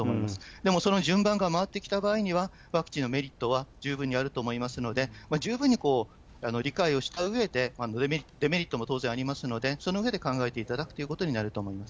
でもその順番が回ってきた場合には、ワクチンのメリットは十分にあると思いますので、十分に理解をしたうえで、デメリットも当然ありますので、その上で考えていただくということになると思います。